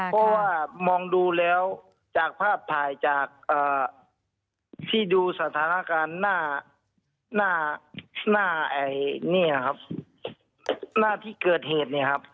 เพราะว่ามองดูแล้วจากภาพถ่ายจากที่ดูสถานการณ์หน้าเนี่ยครับหน้าที่เกิดเหตุเนี่ยครับ